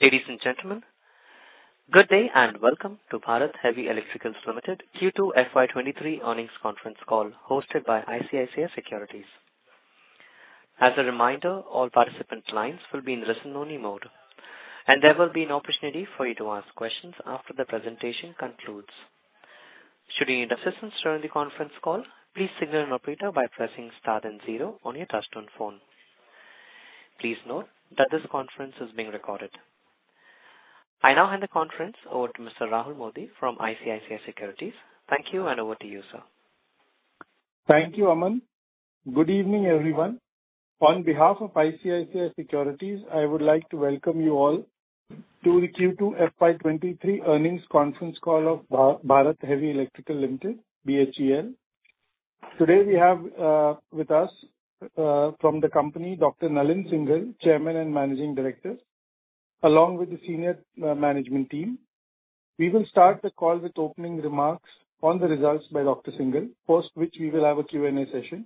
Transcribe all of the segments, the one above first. Ladies and gentlemen, good day and welcome to Bharat Heavy Electricals Limited Q2 FY 2023 earnings conference call hosted by ICICI Securities. As a reminder, all participant lines will be in listen only mode, and there will be an opportunity for you to ask questions after the presentation concludes. Should you need assistance during the conference call, please signal an operator by pressing Star then zero on your touchtone phone. Please note that this conference is being recorded. I now hand the conference over to Mr. Rahul Modi from ICICI Securities. Thank you and over to you, sir. Thank you, Aman. Good evening, everyone. On behalf of ICICI Securities, I would like to welcome you all to the Q2 FY23 earnings conference call of Bharat Heavy Electricals Limited, BHEL. Today we have with us from the company Dr. Nalin Singhal, Chairman and Managing Director, along with the senior management team. We will start the call with opening remarks on the results by Dr. Singhal, post which we will have a Q&A session.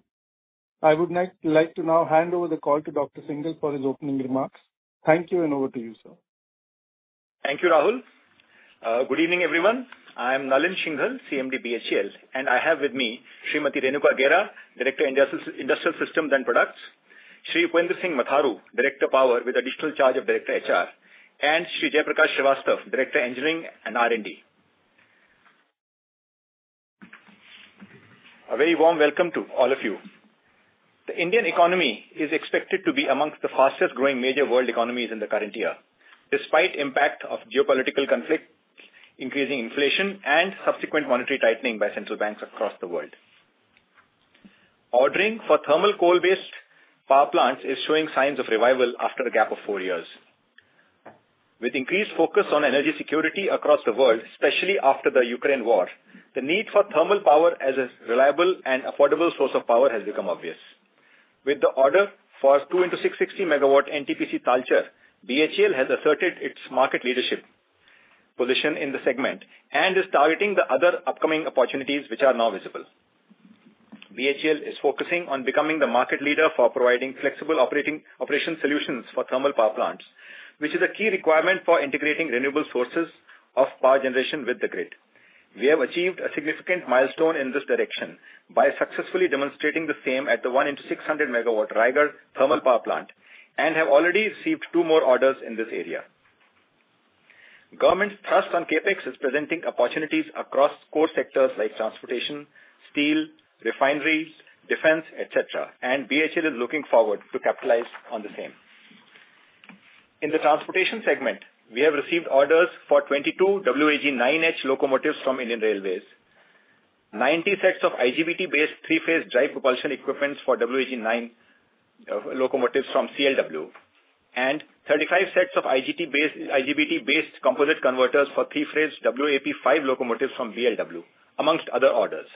I would now like to now hand over the call to Dr. Singhal for his opening remarks. Thank you and over to you, sir. Thank you Rahul. Good evening, everyone. I am Nalin Singhal, CMD BHEL, and I have with me Srimati Renuka Gera, Director, Industrial Systems and Products, Shri Upinder Singh Matharu, Director, Power, with additional charge of Director, HR, and Shri Jai Prakash Srivastava, Director, Engineering and R&D. A very warm welcome to all of you. The Indian economy is expected to be among the fastest growing major world economies in the current year, despite impact of geopolitical conflict, increasing inflation and subsequent monetary tightening by central banks across the world. Ordering for thermal coal-based power plants is showing signs of revival after a gap of four years. With increased focus on energy security across the world, especially after the Ukraine war, the need for thermal power as a reliable and affordable source of power has become obvious. With the order for 2 x 600-MW NTPC Talcher, BHEL has asserted its market leadership position in the segment and is targeting the other upcoming opportunities which are now visible. BHEL is focusing on becoming the market leader for providing flexible operating solutions for thermal power plants, which is a key requirement for integrating renewable sources of power generation with the grid. We have achieved a significant milestone in this direction by successfully demonstrating the same at the 1 x 600-MW Raigarh thermal power plant and have already received two more orders in this area. Government thrust on CapEx is presenting opportunities across core sectors like transportation, steel, refineries, defense, et cetera, and BHEL is looking forward to capitalize on the same. In the transportation segment, we have received orders for 22 WAG-9H locomotives from Indian Railways, 90 sets of IGBT-based three-phase drive propulsion equipments for WAG-9 locomotives from CLW, and 35 sets of IGBT-based composite converters for three-phase WAP-5 locomotives from BLW, amongst other orders.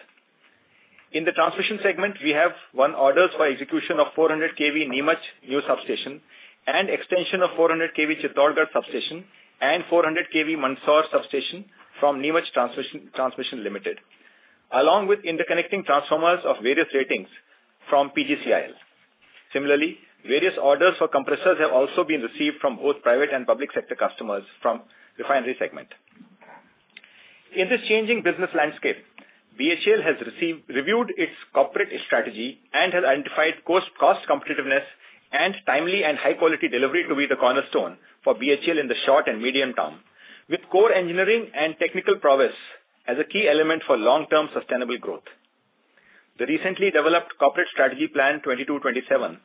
In the transmission segment, we have won orders for execution of 400 kV Neemuch new substation and extension of 400 kV Chittorgarh substation and 400 kV Mandsaur substation from Neemuch Transmission Limited. Along with interconnecting transformers of various ratings from PGCIL. Similarly, various orders for compressors have also been received from both private and public sector customers from refinery segment. In this changing business landscape, BHEL has reviewed its corporate strategy and has identified cost competitiveness and timely and high quality delivery to be the cornerstone for BHEL in the short and medium term, with core engineering and technical prowess as a key element for long term sustainable growth. The recently developed corporate strategy plan 2022/2027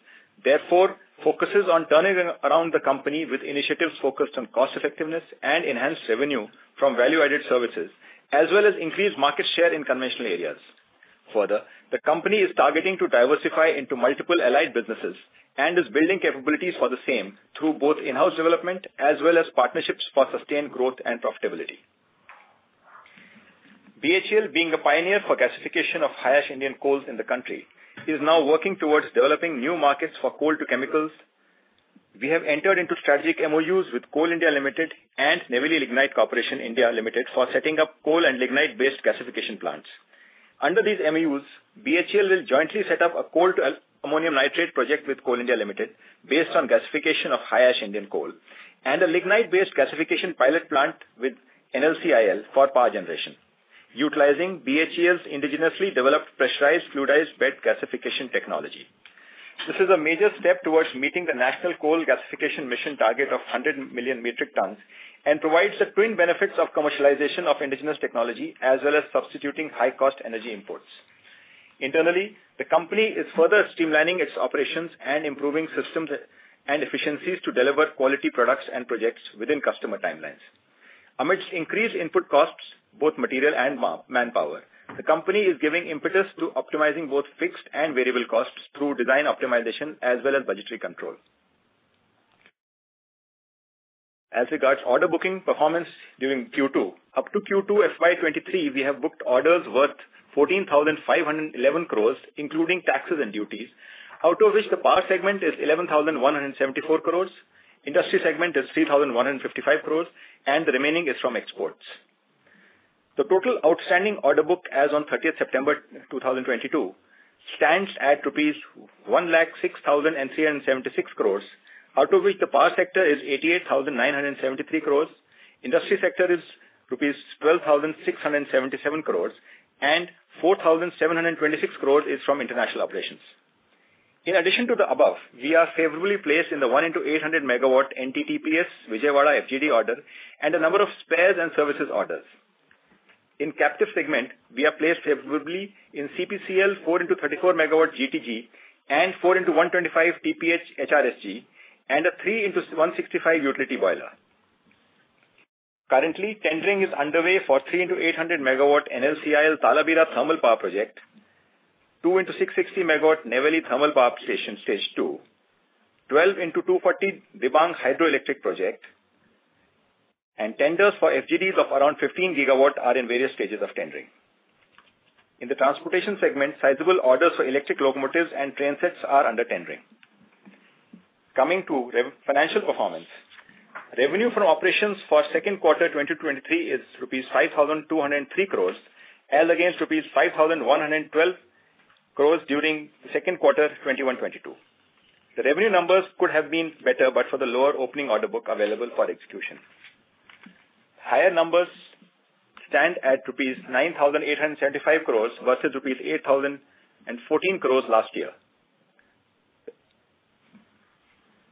therefore focuses on turning around the company with initiatives focused on cost effectiveness and enhanced revenue from value-added services, as well as increased market share in conventional areas. Further, the company is targeting to diversify into multiple allied businesses and is building capabilities for the same through both in-house development as well as partnerships for sustained growth and profitability. BHEL being a pioneer for gasification of high ash Indian coals in the country, is now working towards developing new markets for coal to chemicals. We have entered into strategic MoUs with Coal India Limited and NLC India Limited for setting up coal and lignite based gasification plants. Under these MoUs, BHEL will jointly set up a coal to ammonium nitrate project with Coal India Limited based on gasification of high ash Indian coal and a lignite based gasification pilot plant with NLCIL for power generation, utilizing BHEL's indigenously developed pressurized fluidized bed gasification technology. This is a major step towards meeting the national coal gasification mission target of 100 million metric tons and provides the twin benefits of commercialization of indigenous technology as well as substituting high cost energy imports. Internally, the company is further streamlining its operations and improving systems and efficiencies to deliver quality products and projects within customer timelines. Amidst increased input costs, both material and manpower, the company is giving impetus to optimizing both fixed and variable costs through design optimization as well as budgetary control. As regards order booking performance during Q2, up to Q2 FY 2023, we have booked orders worth 14,511 crores, including taxes and duties, out of which the power segment is 11,174 crores, industry segment is 3,155 crores and the remaining is from exports. The total outstanding order book as on 30th September 2022 stands at rupees 1,06,376 crores, out of which the power sector is 88,973 crores. Industry sector is rupees 12,677 crores, and 4,726 crores is from international operations. In addition to the above, we are favorably placed in the 1x800 MW NTPC Vijayawada FGD order and a number of spares and services orders. In captive segment, we are placed favorably in CPCL 4x34 MW GTG and 4x125 TPH HRSG and a 3x S-165 utility boiler. Currently, tendering is underway for 3x800 MW NLC Talabira thermal power project, 2x660 MW Neyveli Thermal Power Station Stage Two, 12x240 Dibang hydroelectric project, and tenders for FGDs of around 15 GW are in various stages of tendering. In the transportation segment, sizable orders for electric locomotives and train sets are under tendering. Coming to financial performance. Revenue from operations for second quarter 2023 is rupees 5,203 crores as against rupees 5,112 crores during second quarter 2021-22. The revenue numbers could have been better, but for the lower opening order book available for execution. Higher numbers stand at rupees 9,875 crores versus rupees 8,014 crores last year.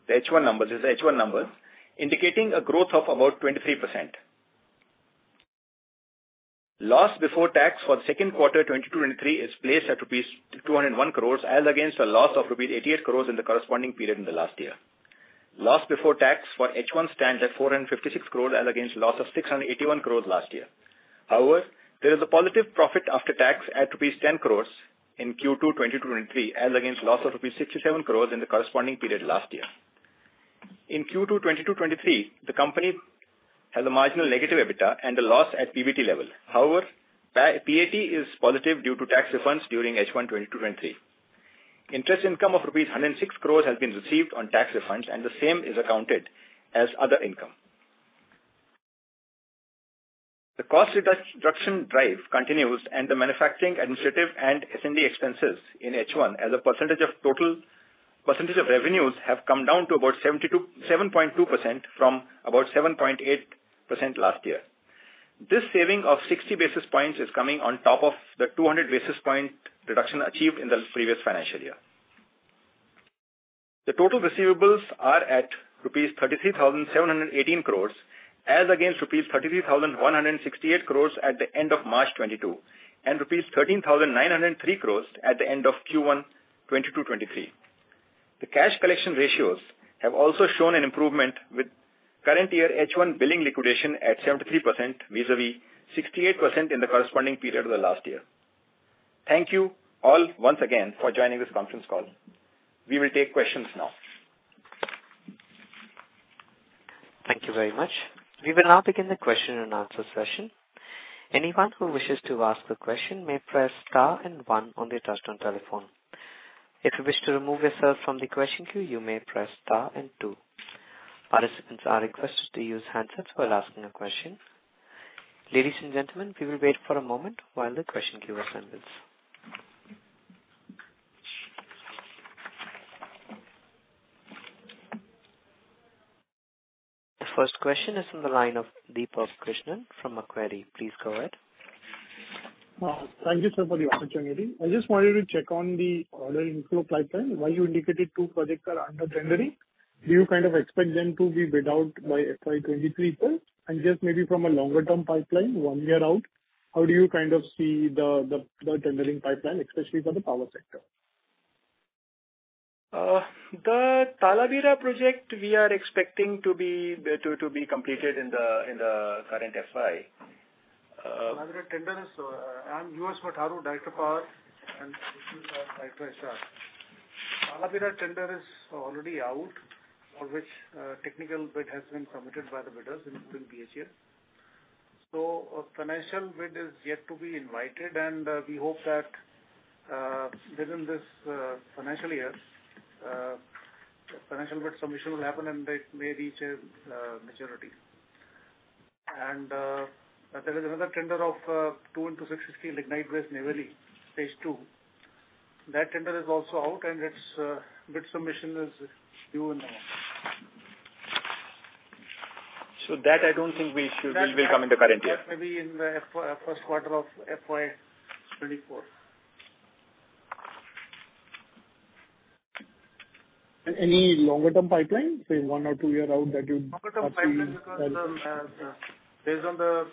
The H1 numbers. This is H1 numbers, indicating a growth of about 23%. Loss before tax for the second quarter 2022-2023 is placed at rupees 201 crores as against a loss of rupees 88 crores in the corresponding period in the last year. Loss before tax for H1 stands at 456 crore as against loss of 681 crores last year. However, there is a positive profit after tax at rupees 10 crore in Q2, 2022-2023, as against loss of rupees 67 crore in the corresponding period last year. In Q2, 2022-2023, the company has a marginal negative EBITDA and a loss at PBT level. However, PAT is positive due to tax refunds during H1, 2022-2023. Interest income of 106 crore rupees has been received on tax refunds, and the same is accounted as other income. The cost reduction drive continues and the manufacturing administrative and S&D expenses in H1 as a percentage of total revenues have come down to about 7.2% from about 7.8% last year. This saving of 60 basis points is coming on top of the 200 basis point reduction achieved in the previous financial year. The total receivables are at 33,718 crores rupees, as against 33,168 crores rupees at the end of March 2022, and 13,903 crores rupees at the end of Q1 2022-23. The cash collection ratios have also shown an improvement with current year H1 billing liquidation at 73% vis-à-vis 68% in the corresponding period of the last year. Thank you all once again for joining this conference call. We will take questions now. Thank you very much. We will now begin the question and answer session. Anyone who wishes to ask a question may press star and one on their touch-tone telephone. If you wish to remove yourself from the question queue, you may press star and two. Participants are requested to use handsets while asking a question. Ladies and gentlemen, we will wait for a moment while the question queue assembles. The first question is on the line of Deepak Krishnan from Macquarie. Please go ahead. Thank you, sir, for the opportunity. I just wanted to check on the order inflow pipeline. While you indicated two projects are under tendering, do you kind of expect them to be bid out by FY 2023 full? Just maybe from a longer-term pipeline, one year out, how do you kind of see the tendering pipeline, especially for the power sector? The Talabira project we are expecting to be completed in the current FY. I am Upinder Singh Matharu, Director, Power, and this is Director SR. Talabira tender is already out, for which technical bid has been submitted by the bidders, including BHEL. A financial bid is yet to be invited, and we hope that within this financial year, financial bid submission will happen and it may reach a maturity. There is another tender of two into 660 lignite-based Neyveli, phase two. That tender is also out and its bid submission is due in a month. I don't think we should. That's- Will come in the current year. That may be in the first quarter of FY 2024. Any longer-term pipeline, say one or two year out that you'd- Longer-term pipeline because based on the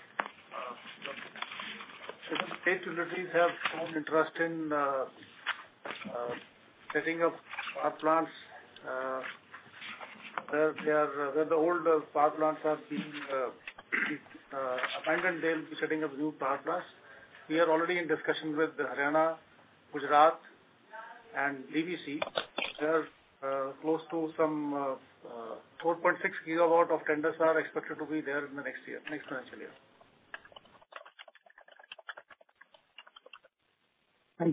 certain state utilities have shown interest in setting up power plants where the older power plants are being abandoned, they'll be setting up new power plants. We are already in discussion with the Haryana, Gujarat and DVC. They're close to some 4.6 GW of tenders are expected to be there in the next year, next financial year.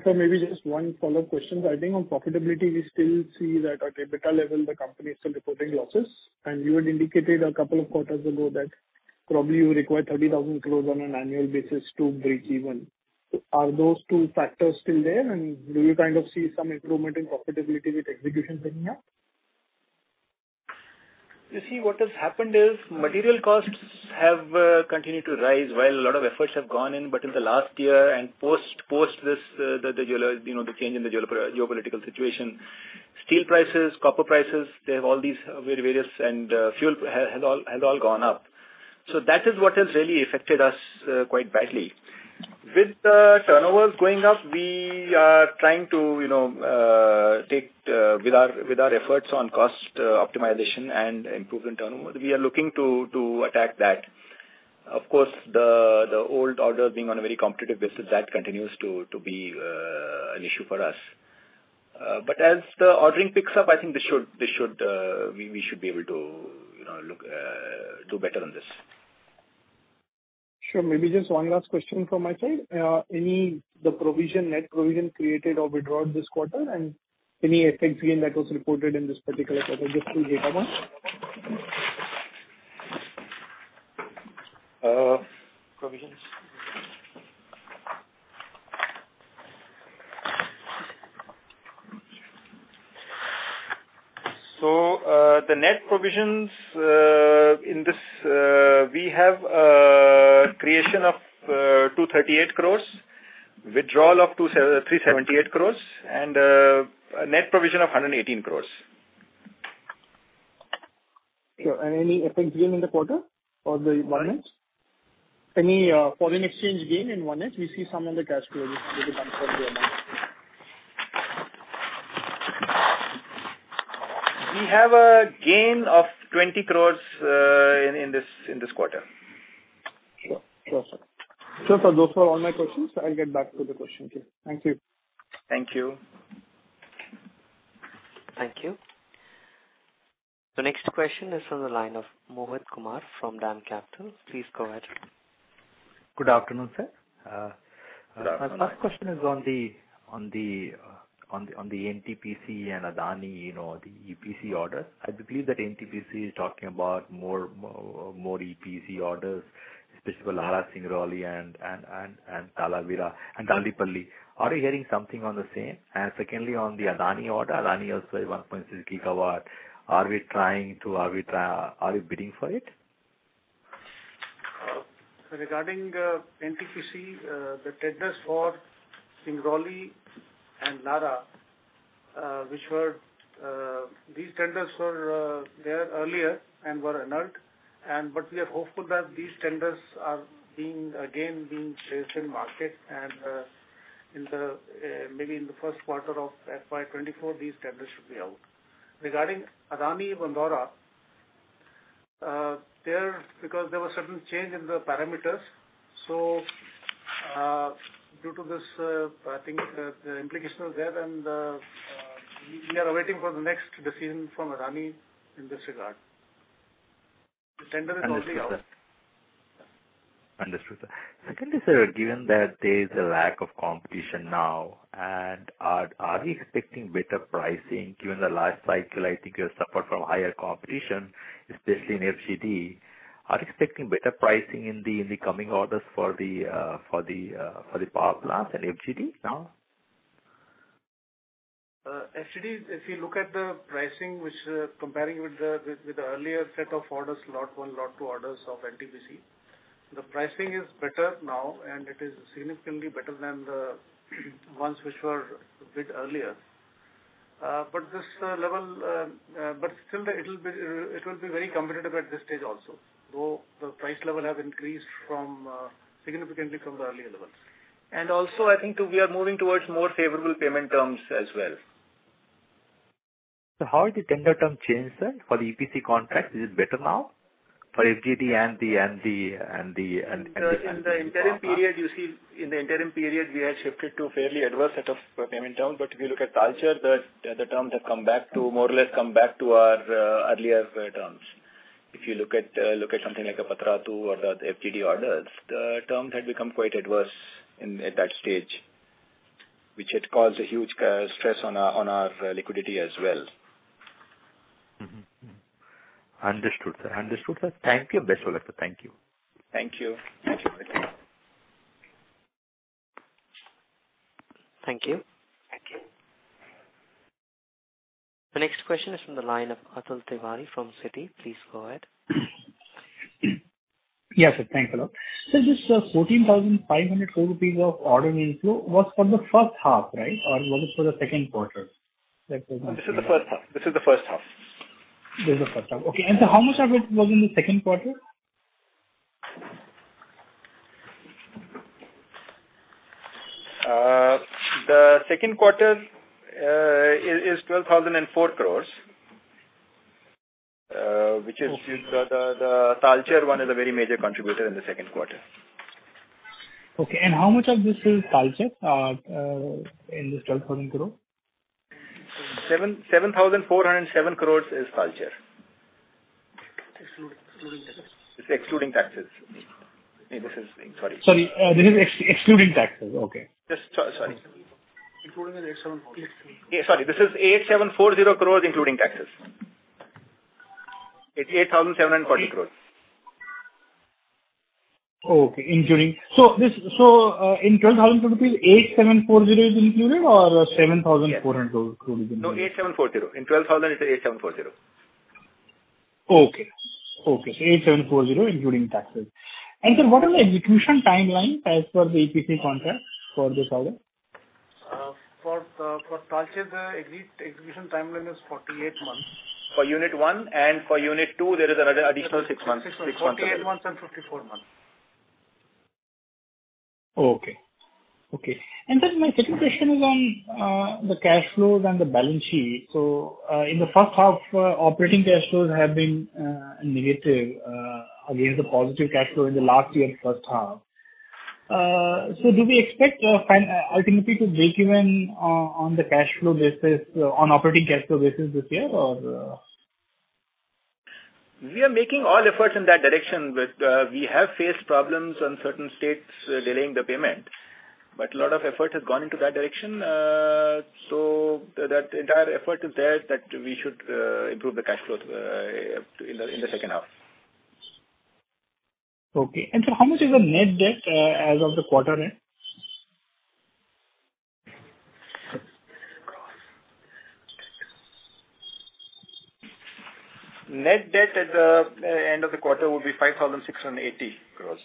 Sir, maybe just one follow-up question. I think on profitability, we still see that at EBITDA level, the company is still reporting losses. You had indicated a couple of quarters ago that probably you require 30,000 crore on an annual basis to break even. Are those two factors still there and do you kind of see some improvement in profitability with execution picking up? You see, what has happened is material costs have continued to rise. While a lot of efforts have gone in, but in the last year and post this, the change in the geopolitical situation. Steel prices, copper prices, they have all these various and fuel has all gone up. That is what has really affected us quite badly. With the turnovers going up, we are trying to with our efforts on cost optimization and improvement turnover, we are looking to attack that. Of course, the old orders being on a very competitive basis, that continues to be an issue for us. As the ordering picks up, I think this should. We should be able to, you know, look, do better on this. Sure. Maybe just one last question from my side. Any net provision created or withdrawn this quarter and any FX gain that was reported in this particular quarter, just through data one? Provisions. The net provisions in this, we have creation of 238 crores, withdrawal of 378 crores and net provision of 118 crores. Sure. Any FX gain in the quarter or the one month? Any, foreign exchange gain in one month? We see some in the cash flow. We have a gain of 20 crores in this quarter. Sure. Sure, sir. Those are all my questions. I'll get back to the question queue. Thank you. Thank you. Thank you. The next question is on the line of Mohit Kumar from DAM Capital. Please go ahead. Good afternoon, sir. Good afternoon. My first question is on the NTPC and Adani, you know, the EPC orders. I believe that NTPC is talking about more EPC orders, especially for Lara Singrauli and Talabira and Talipalli. Are you hearing something on the same? Secondly, on the Adani order, Adani also has 1.6 GW. Are we bidding for it? Regarding NTPC, the tenders for Singrauli and Lara, which were there earlier and were annulled, but we are hopeful that these tenders are being chased again in the market and maybe in the first quarter of FY 2024, these tenders should be out. Regarding Adani Mundra, because there were certain change in the parameters. Due to this, I think the implication is there and we are waiting for the next decision from Adani in this regard. The tender is already out. Understood, sir. Secondly, sir, given that there is a lack of competition now, are we expecting better pricing? Given the last cycle, I think you have suffered from higher competition, especially in FGD. Are you expecting better pricing in the coming orders for the power plant and FGD now? FGD, if you look at the pricing which, comparing with the earlier set of orders, lot one, lot two orders of NTPC, the pricing is better now and it is significantly better than the ones which were a bit earlier. But this level, but still it will be very competitive at this stage also, though the price level has increased significantly from the earlier levels. Also I think we are moving towards more favorable payment terms as well. How is the tender term changed, sir, for the EPC contract? Is it better now for FGD and the? In the interim period, you see, we had shifted to fairly adverse set of payment terms. If you look at Talcher, the terms have more or less come back to our earlier terms. If you look at something like a Patratu or the BTG orders, the terms had become quite adverse at that stage, which had caused a huge stress on our liquidity as well. Understood, sir. Thank you. Best of luck, sir. Thank you. Thank you. Thank you. Thank you. Thank you. The next question is from the line of Atul Tiwari from Citi. Please go ahead. Yes, sir. Thanks a lot. Just 14,500 crore rupees of order inflow was for the first half, right? Or was it for the second quarter? This is the first half. This is the first half. Okay. How much of it was in the second quarter? The second quarter is 12,004 crore, which is the Talcher one is a very major contributor in the second quarter. Okay. How much of this is Talcher in this 12,000 crore? 7,407 crore is Talcher. Excluding taxes. It's excluding taxes. Sorry, this is excluding taxes. Okay. Yes. Sorry. Including the 874. Yeah, sorry. This is 8,740 crores including taxes. It's 8,740 crores. Oh, okay. In 12,000 rupees, 8,740 is included or 7,400 crore is included? No, 8740. In 12,000, it's 8740. 8,740 including taxes. Sir, what are the execution timeline as per the EPC contract for this order? For Talcher, the execution timeline is 48 months. For unit one and for unit two, there is another additional six months. 48 months and 54 months. Okay. Then my second question is on the cash flows and the balance sheet. In the first half, operating cash flows have been negative against the positive cash flow in the last year first half. Do we expect ultimately to break even on the cash flow basis, on operating cash flow basis this year or... We are making all efforts in that direction, but we have faced problems on certain states delaying the payment. A lot of effort has gone into that direction. That entire effort is there that we should improve the cash flow in the second half. How much is the net debt as of the quarter end? Net debt at the end of the quarter will be 5,680 crores.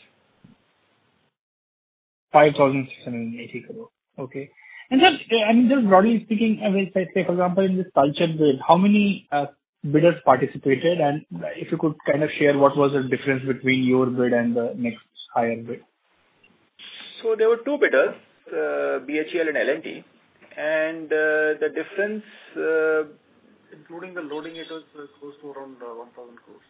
5,680 crore. Okay. Just, I mean, just broadly speaking, I mean, say, for example, in this Talcher bid, how many bidders participated? If you could kind of share what was the difference between your bid and the next higher bid. There were two bidders, BHEL and L&T. The difference, Including the loading, it was around 1,000 crore.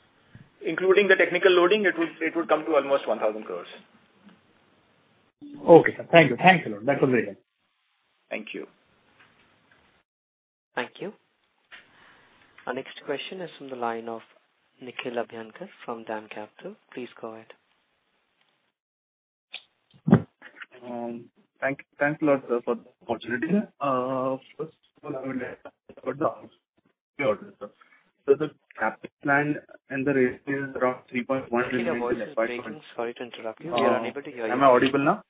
Including the technical loading, it would come to almost 1,000 crore. Okay, sir. Thank you. Thanks a lot. That was very helpful. Thank you. Thank you. Our next question is from the line of Nikhil Abhyankar from DAM Capital. Please go ahead. Thanks a lot, sir, for the opportunity. First, the CapEx plan and the railways is around INR 3.1 trillion investments. Your voice is breaking. Sorry to interrupt you. We are unable to hear you. Am I audible now?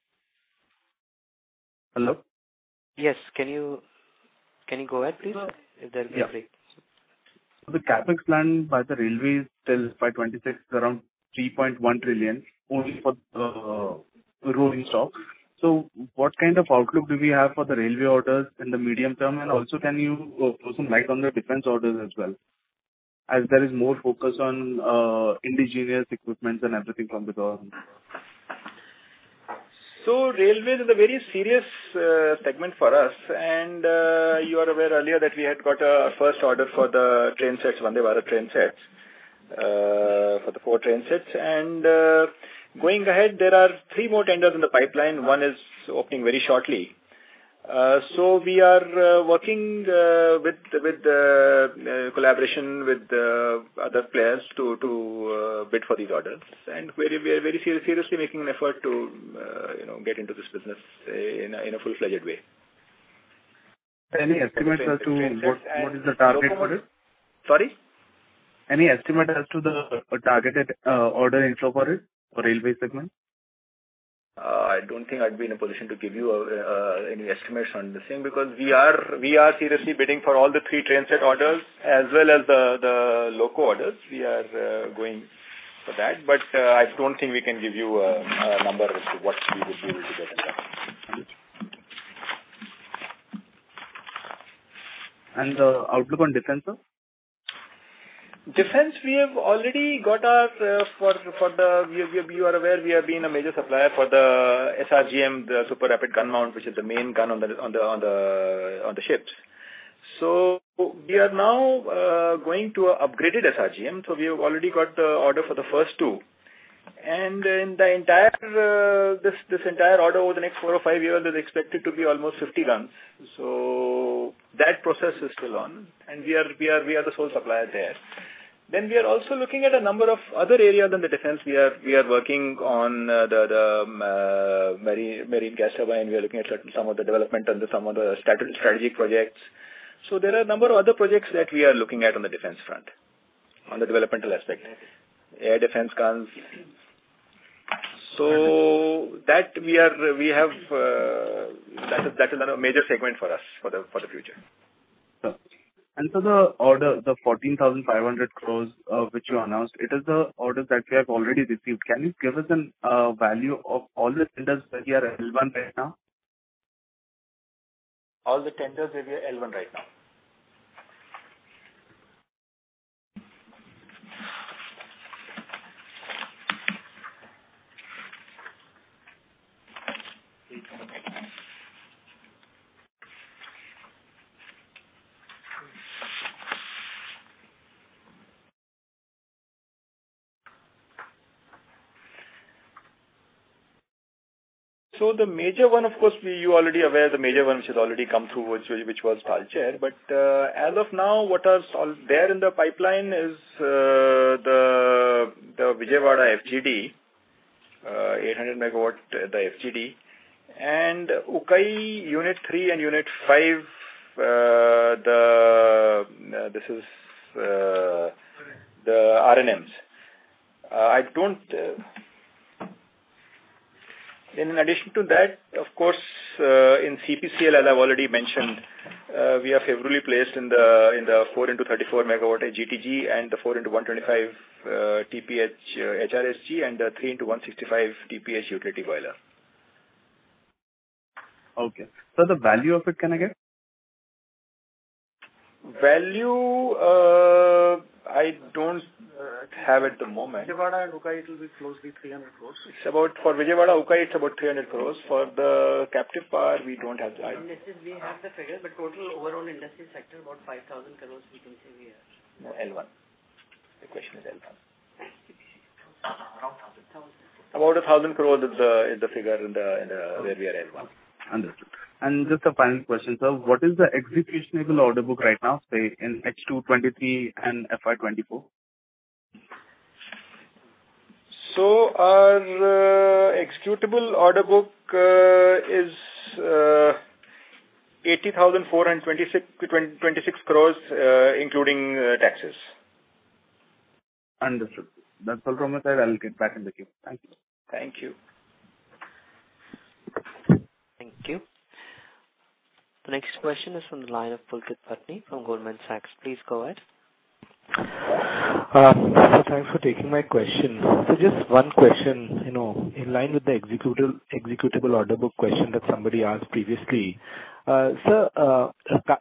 Hello? Yes. Can you go ahead, please? If there will be a break. The CapEx plan by the railway is till FY 2060 around 3.1 trillion only for the rolling stock. What kind of outlook do we have for the railway orders in the medium term? Can you throw some light on the defense orders as well, as there is more focus on indigenous equipment and everything from the government? Railway is a very serious segment for us. You are aware earlier that we had got a first order for the train sets, Vande Bharat train sets, for the four train sets. Going ahead, there are three more tenders in the pipeline. One is opening very shortly. We are working with the collaboration with the other players to bid for these orders. We are very seriously making an effort to, you know, get into this business in a full-fledged way. Any estimates as to what is the target for this? Sorry? Any estimate as to the targeted, order inflow for it, for railway segment? I don't think I'd be in a position to give you any estimates on the same, because we are seriously bidding for all the three train set orders as well as the loco orders. We are going for that. I don't think we can give you a number as to what we would be able to get into that. Outlook on defense, sir? You are aware we have been a major supplier for the SRGM, the Super Rapid Gun Mount, which is the main gun on the ships. We are now going to upgraded SRGM. We have already got the order for the first two. This entire order over the next four or five years is expected to be almost 50 guns. That process is still on, and we are the sole supplier there. We are also looking at a number of other areas in the defense. We are working on the marine gas turbine. We are looking at certain some of the development and some of the strategic projects. There are a number of other projects that we are looking at on the defense front, on the developmental aspect. Air defense guns. That is another major segment for us for the future. The order, the 14,500 crore, which you announced, it is the orders that we have already received. Can you give us a value of all the tenders that you are L1 right now? All the tenders we are L1 right now? The major one, of course, you already aware the major one which has already come through, which was Talcher. As of now, what are all there in the pipeline is the Vijayawada 800-MW FGD and Ukai unit 3 and unit 5. This is the R&Ms. In addition to that, of course, in CPCL, as I've already mentioned, we are favorably placed in the 4 x 34-MW GTG and the 4 x 125 TPH HRSG and the 3 x 165 TPH utility boiler. Okay. Sir, the value of it, can I get? Value, I don't have at the moment. Vijayawada and Ukai, it will be close to 300 crore. It's about for Vijayawada, Ukai, it's about 300 crore. For the captive power, we don't have the item. We have the figure, but total overall industry sector, about 5,000 crore we can say we have. Line one. The question is line one. Around 1,000. About 1,000 crore is the figure in the where we are L one. Understood. Just a final question, sir. What is the executable order book right now, say in H2 2023 and FY 2024? Our executable order book is 80,426 crores, including taxes. Understood. That's all from my side. I will get back in the queue. Thank you. Thank you. Thank you. The next question is from the line of Pulkit Patni from Goldman Sachs. Please go ahead. Thanks for taking my question. Just one question, you know, in line with the executable order book question that somebody asked previously. Sir,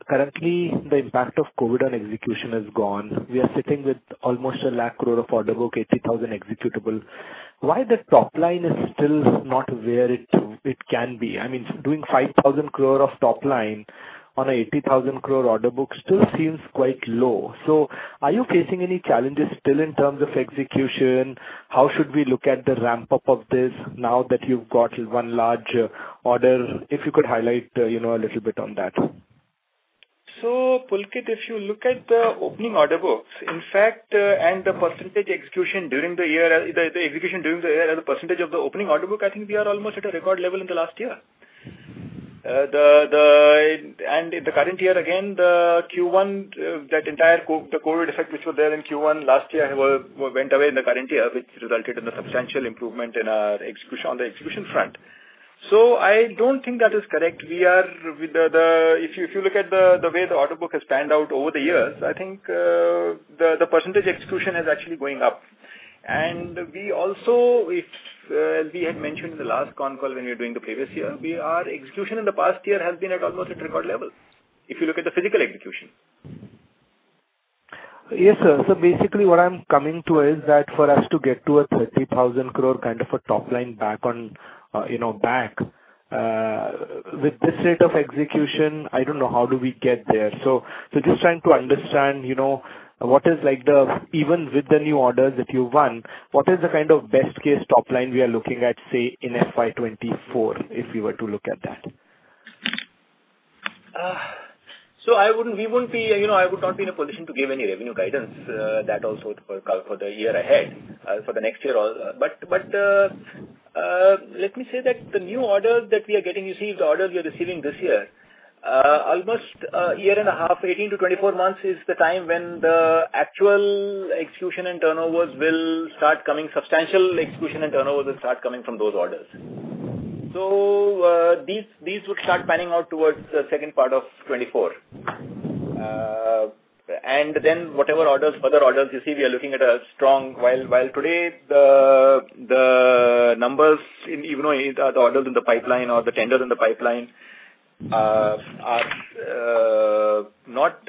currently the impact of COVID on execution is gone. We are sitting with almost 1 lakh crore of order book, 80,000 executable. Why the top line is still not where it can be? I mean, doing 5,000 crore of top line on a 80,000 crore order book still seems quite low. Are you facing any challenges still in terms of execution? How should we look at the ramp up of this now that you've got one large order? If you could highlight, you know, a little bit on that. Pulkit Patni, if you look at the opening order books, in fact, and the percentage execution during the year, the execution during the year as a percentage of the opening order book, I think we are almost at a record level in the last year. In the current year, again, the Q1, that entire COVID effect which was there in Q1 last year went away in the current year, which resulted in a substantial improvement in execution on the execution front. I don't think that is correct. If you look at the way the order book has panned out over the years, I think the percentage execution is actually going up. We also had mentioned in the last con call when we were doing the previous year, our execution in the past year has been at almost record levels, if you look at the physical execution. Yes, sir. Basically what I'm coming to is that for us to get to 30,000 crore kind of a top line back on, you know, back, with this rate of execution, I don't know how do we get there. Just trying to understand, you know, what is like the even with the new orders that you've won, what is the kind of best case top line we are looking at, say in FY 2024, if we were to look at that? I would not be in a position to give any revenue guidance, that also for the year ahead, for the next year or. Let me say that the new orders that we are getting, you see the orders we are receiving this year. Almost year and a half, 18-24 months is the time when the actual execution and turnovers will start coming, substantial execution and turnovers will start coming from those orders. These would start panning out towards the second part of 2024. Then whatever orders, other orders you see, we are looking at a strong. Today the numbers in even though the orders in the pipeline or the tenders in the pipeline are not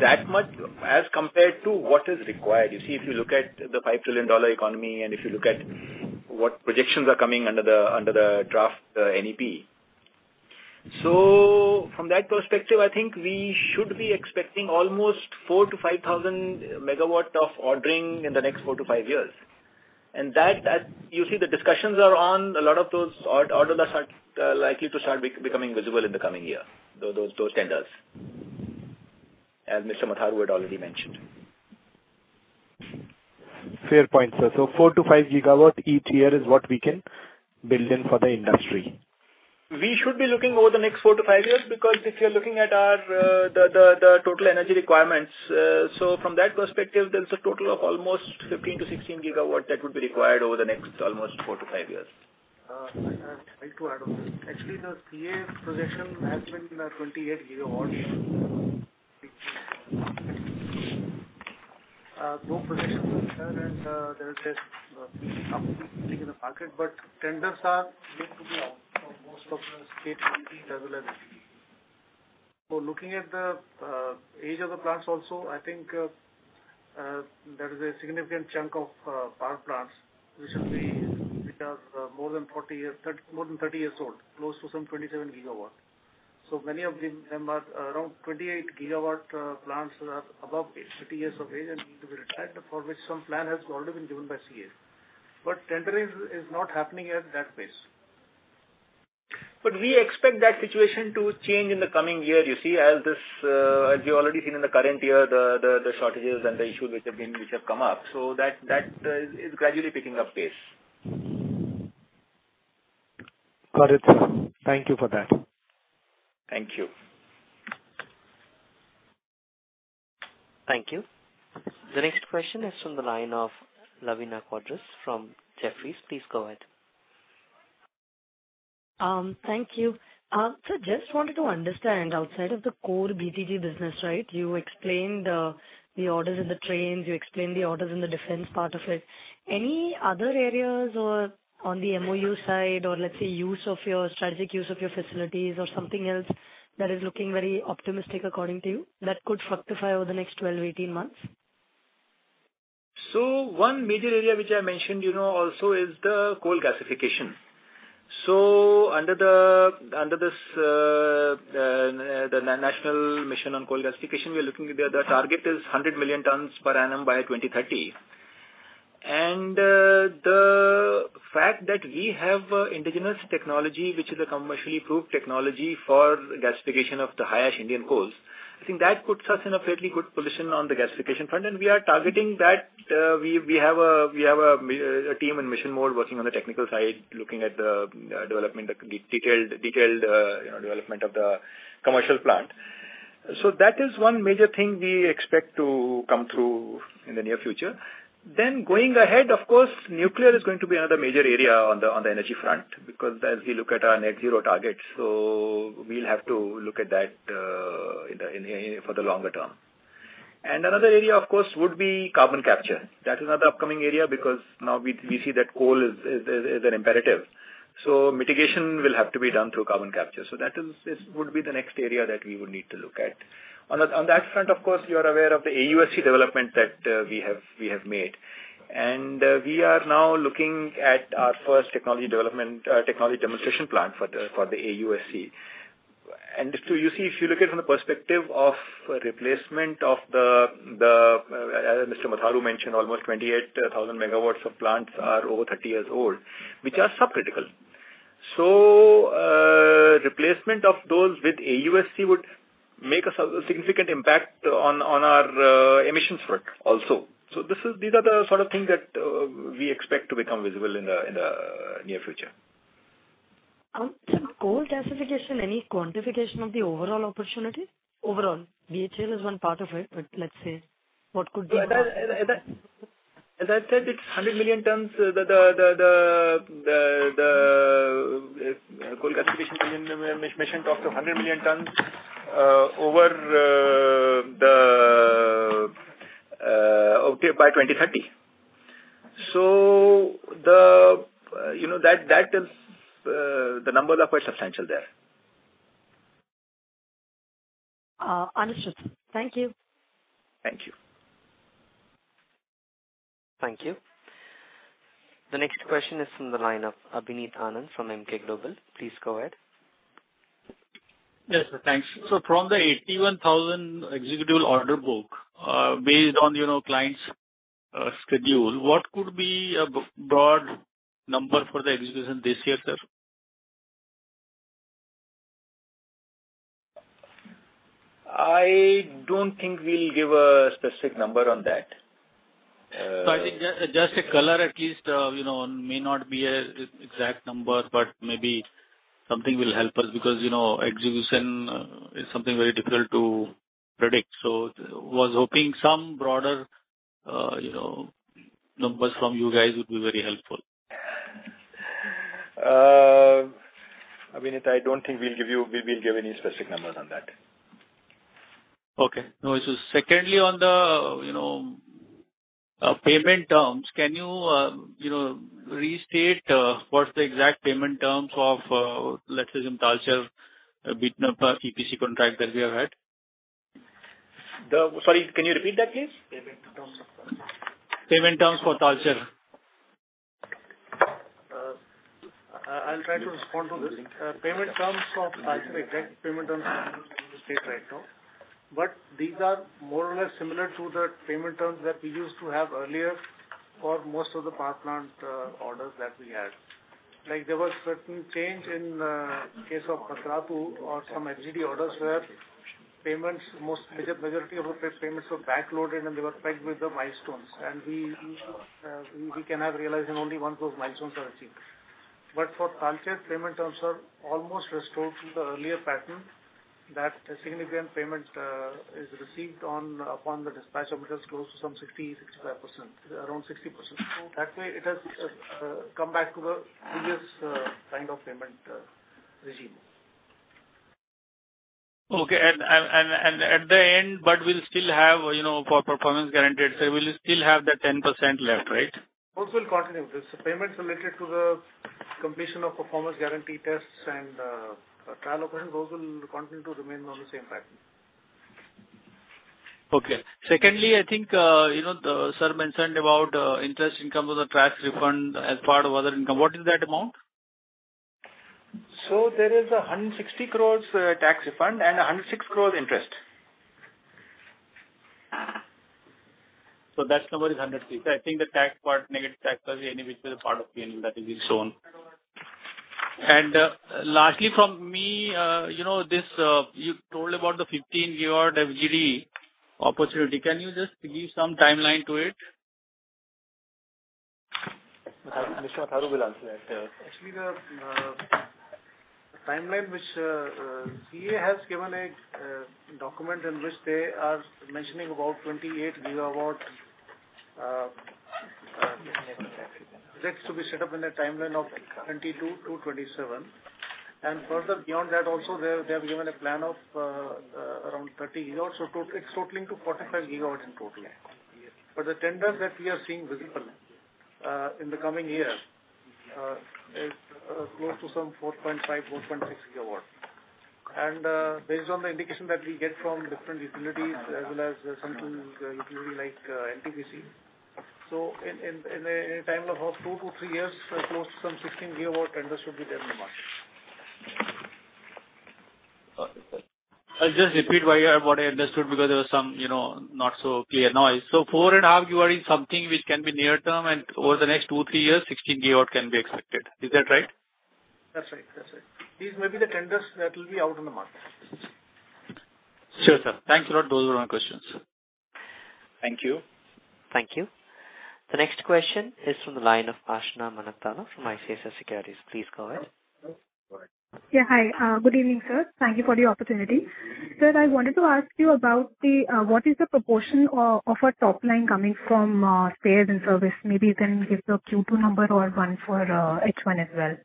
that much as compared to what is required. You see, if you look at the $5 trillion economy, and if you look at what projections are coming under the draft NEP. From that perspective, I think we should be expecting almost 4,000-5,000 megawatt of ordering in the next four to five years. That you see the discussions are on a lot of those orders that are likely to start becoming visible in the coming year. Those tenders, as Mr. Madhav had already mentioned. Fair point, sir. 4-5 GW each year is what we can build in for the industry. We should be looking over the next four to five years, because if you're looking at our total energy requirements. From that perspective, there's a total of almost 15-16 GW that would be required over the next almost four to five years. I'd like to add on this. Actually, the CA projection has been 28 GWs. No projection with that and there is this. Many of them are around 28 GW plants that are above 30 years of age and need to be retired, for which some plan has already been given by CEA. Tendering is not happening at that pace. We expect that situation to change in the coming year, you see, as you've already seen in the current year, the shortages and the issues which have come up, so that is gradually picking up pace. Got it. Thank you for that. Thank you. Thank you. The next question is from the line of Lavina Quadros from Jefferies. Please go ahead. Thank you. Just wanted to understand outside of the core BTG business, right? You explained the orders in the trains, you explained the orders in the defense part of it. Any other areas or on the MOU side or let's say, strategic use of your facilities or something else that is looking very optimistic according to you, that could fructify over the next 12-18 months? One major area which I mentioned, you know, also is the coal gasification. Under this, the National Mission on Coal Gasification, we are looking, the target is 100 million tons per annum by 2030. The fact that we have indigenous technology, which is a commercially proved technology for gasification of the high ash Indian coals, I think that puts us in a fairly good position on the gasification front. We are targeting that. We have a team in mission mode working on the technical side, looking at the development, the detailed, you know, development of the commercial plant. That is one major thing we expect to come through in the near future. Going ahead, of course, nuclear is going to be another major area on the energy front, because as we look at our net zero targets, we'll have to look at that in the longer term. Another area of course would be carbon capture. That is another upcoming area because now we see that coal is an imperative. So mitigation will have to be done through carbon capture. This would be the next area that we would need to look at. On that front, of course, you are aware of the AUSC development that we have made. We are now looking at our first technology demonstration plant for the AUSC. You see, if you look at it from the perspective of replacement of the Mr. Upinder Singh Matharu mentioned almost 28,000 megawatts of plants are over 30 years old, which are sub-critical. Replacement of those with AUSC would make a significant impact on our emissions front also. These are the sort of things that we expect to become visible in the near future. Coal gasification, any quantification of the overall opportunity? Overall. BHEL is one part of it, but let's say what could be- As I said, it's 100 million tons. The coal gasification mission talks of 100 million tons over the okay, by 2030. You know, that is the numbers are quite substantial there. Understood. Thank you. Thank you. Thank you. The next question is from the line of Abhineet Anand from Emkay Global. Please go ahead. Yes, sir. Thanks. From the 81,000 executable order book, based on, you know, clients' schedule, what could be a broad number for the execution this year, sir? I don't think we'll give a specific number on that. I think just a color at least, you know, may not be an exact number, but maybe something will help us because, you know, execution is something very difficult to predict. Was hoping some broader, you know, numbers from you guys would be very helpful. Abhineet, I don't think we'll give any specific numbers on that. Okay. No issues. Secondly, on the payment terms, you know, can you know, restate what's the exact payment terms of, let's say, Talcher bid EPC contract that we have had? Sorry, can you repeat that, please? Payment terms for Talcher. I'll try to respond to this. Payment terms for Talcher, exact payment terms hard to state right now. These are more or less similar to the payment terms that we used to have earlier for most of the power plant orders that we had. Like, there was certain change in case of Patratu or some FGD orders where payments, majority of the payments were backloaded and they were pegged with the milestones. We can realize them only once those milestones are achieved. For Talcher, payment terms are almost restored to the earlier pattern that a significant payment is received upon the dispatch of materials close to 60%-65%, around 60%. That way it has come back to the previous kind of payment regime. Okay. At the end, but we'll still have, you know, for performance guaranteed, so we'll still have the 10% left, right? Those will continue. The payments related to the completion of performance guarantee tests and trial operations, those will continue to remain on the same pattern. Okay. Secondly, I think, you know, sir mentioned about interest income on the tax refund as part of other income. What is that amount? There is 160 crores tax refund and 106 crores interest. That number is 160. I think the tax part, negative tax was an individual part of P&L that is being shown. Lastly from me, you know, this, you told about the 15 GW FGD opportunity. Can you just give some timeline to it? Mr. Upinder Singh Matharu will answer that. Actually, the timeline which CEA has given a document in which they are mentioning about 28 GW projects to be set up in a timeline of 2022-2027. Further beyond that also they've given a plan of around 30 GW. It's totaling to 45 GW in total. The tenders that we are seeing visible in the coming years is close to some 4.5-4.6 GW. Based on the indication that we get from different utilities as well as some utility like NTPC. In a timeline of two to three years, close to some 16 GW tenders should be there in the market. Okay, sir. I'll just repeat what I understood because there was some, you know, not so clear noise. 4.5 GW is something which can be near-term and over the next two, three years, 16 GW can be expected. Is that right? That's right. These may be the tenders that will be out in the market. Sure, sir. Thanks a lot. Those were my questions. Thank you. Thank you. The next question is from the line of Aashna Manaktala from ICICI Securities. Please go ahead. Go ahead. Yeah. Hi. Good evening, sir. Thank you for the opportunity. Sir, I wanted to ask you about what is the proportion of our top line coming from spares and service? Maybe you can give the Q2 number or one for H1 as well.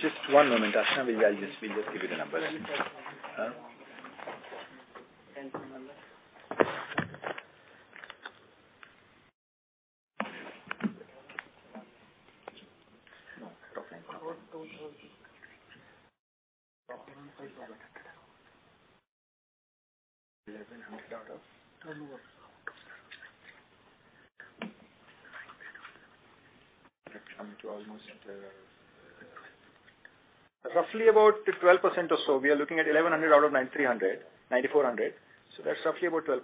Just one moment, Archana. We'll just give you the numbers. Roughly about 12% or so. We are looking at 1,100 out of 9,300, 9,400. That's roughly about 12%.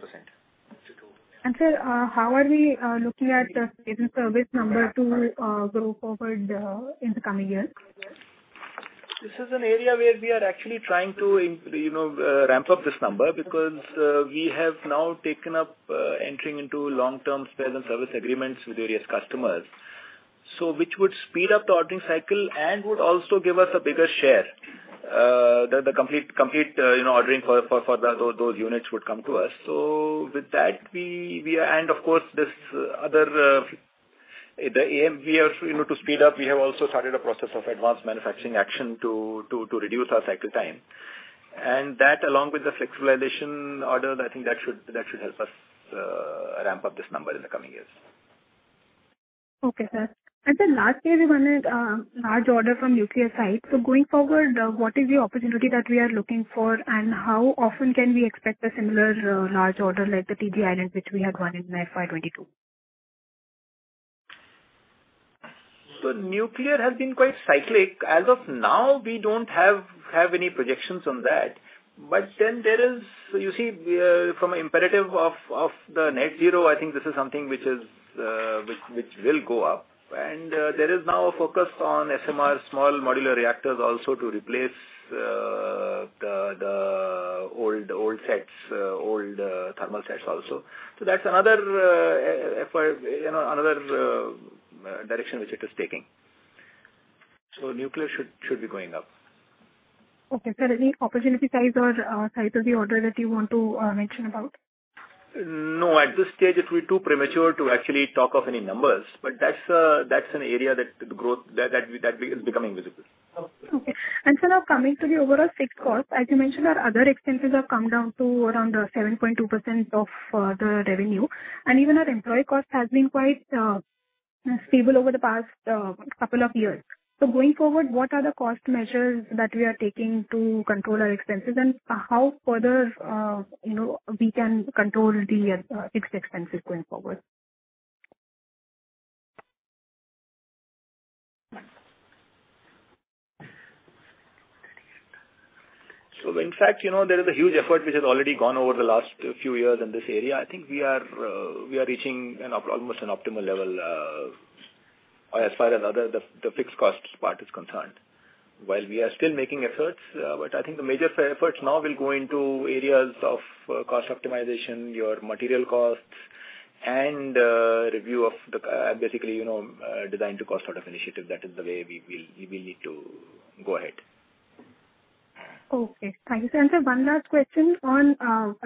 Sir, how are we looking at the spares and service number to grow forward in the coming years? This is an area where we are actually trying to you know ramp up this number because we have now taken up entering into long-term spares and service agreements with various customers. Which would speed up the ordering cycle and would also give us a bigger share the complete you know ordering for the those units would come to us. With that we are of course this other the AM we have you know to speed up we have also started a process of advanced manufacturing action to reduce our cycle time. That along with the flexibilization order I think that should help us ramp up this number in the coming years. Okay, sir. Lastly, we won a large order from nuclear side. Going forward, what is the opportunity that we are looking for, and how often can we expect a similar large order like the TG Islands which we had won in FY 2022? Nuclear has been quite cyclic. As of now, we don't have any projections on that. There is, you see, from an imperative of the net zero, I think this is something which will go up. There is now a focus on SMR, small modular reactors, also to replace the old thermal sets also. That's another five, you know, another direction which it is taking. Nuclear should be going up. Okay. Sir, any opportunity size or size of the order that you want to mention about? No. At this stage it'll be too premature to actually talk of any numbers. That's an area that the growth that is becoming visible. Sir, now coming to the overall fixed cost, as you mentioned, our other expenses have come down to around 7.2% of the revenue. Even our employee cost has been quite stable over the past couple of years. Going forward, what are the cost measures that we are taking to control our expenses and how further you know we can control the fixed expenses going forward? In fact, you know, there is a huge effort which has already gone over the last few years in this area. I think we are reaching almost an optimal level as far as the fixed cost part is concerned. While we are still making efforts, but I think the major efforts now will go into areas of cost optimization, our material costs and review of the design to cost sort of initiative. That is the way we will need to go ahead. Okay. Thank you, sir. Sir, one last question on our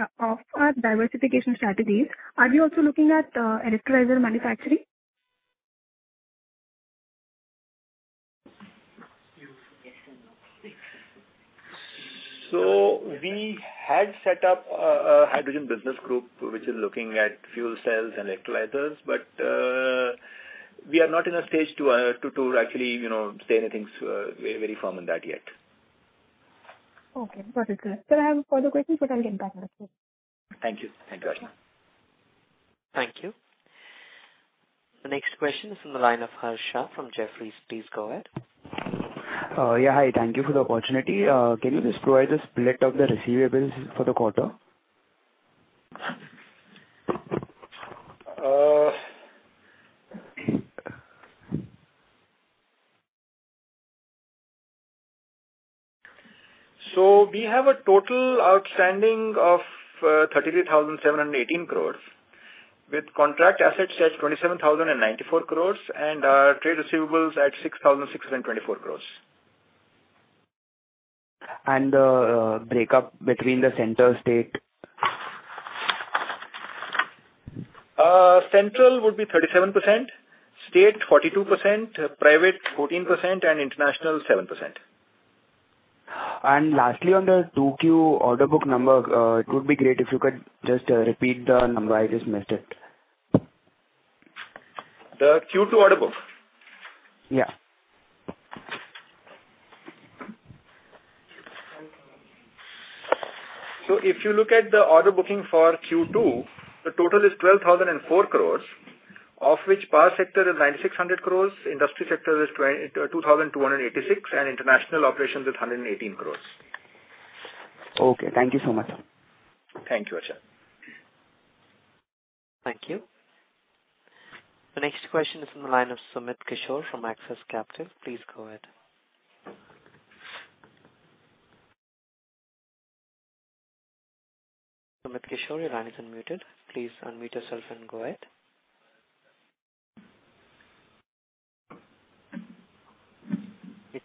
diversification strategies. Are you also looking at electrolyzer manufacturing? Had set up a hydrogen business group which is looking at fuel cells and electrolyzers. We are not in a stage to actually, you know, say anything very firm on that yet. Okay. Got it. Sir. Sir, I have a follow-up question, but I'll get back later. Thank you. Thank you, Archana. Thank you. The next question is from the line of Harsha from Jefferies. Please go ahead. Hi. Thank you for the opportunity. Can you just provide the split of the receivables for the quarter? We have a total outstanding of 33,718 crores, with contract assets at 27,094 crores and our trade receivables at 6,624 crores. Breakup between the central and state. Central would be 37%, state 42%, private 14%, and international 7%. Lastly, on the 2Q order book number, it would be great if you could just repeat the number. I just missed it. The Q2 order book? Yeah. If you look at the order booking for Q2, the total is 12,004 crores, of which power sector is 9,600 crores, industry sector is 2,286 crores, and international operations is 118 crores. Okay, thank you so much. Thank you, Harsha. Thank you. The next question is from the line of Sumit Kishore from Axis Capital. Please go ahead. Sumit Kishore, your line is unmuted. Please unmute yourself and go ahead.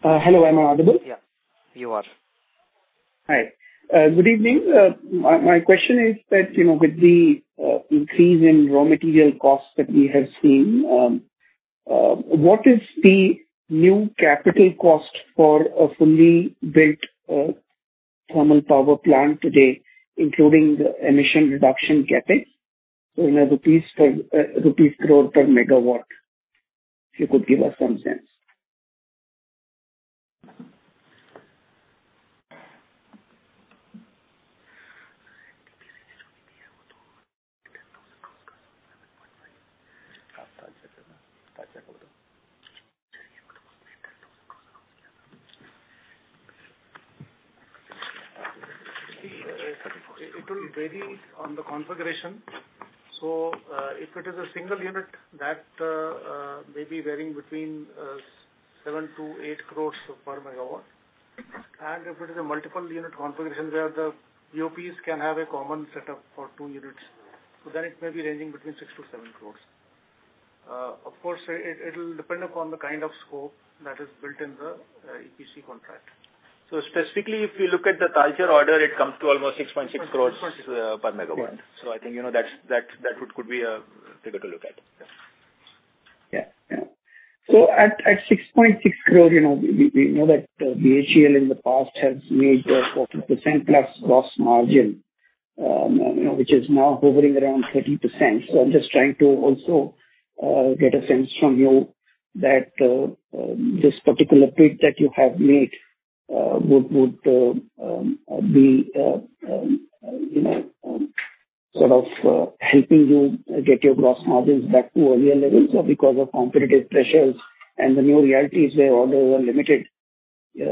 Hello, am I audible? Yeah. You are. Hi. Good evening. My question is that, you know, with the increase in raw material costs that we have seen, what is the new capital cost for a fully built thermal power plant today, including the emission reduction CapEx in rupees crore per megawatt? If you could give us some sense. It will vary on the configuration. If it is a single unit, it may be varying between 7-8 crores per megawatt. If it is a multiple unit configuration where the BOPs can have a common setup for two units, then it may be ranging between 6-7 crores. Of course, it'll depend upon the kind of scope that is built in the EPC contract. Specifically, if you look at the Talcher order, it comes to almost 6.6 crores per megawatt. Yeah. I think, you know, that could be a figure to look at. Yes. Yeah. At 6.6 crore, you know, we know that BHEL in the past has made a 40%+ gross margin, you know, which is now hovering around 30%. I'm just trying to also get a sense from you that this particular bid that you have made would be, you know, sort of helping you get your gross margins back to earlier levels or because of competitive pressures and the new realities where orders are limited, you